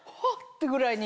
てぐらいに。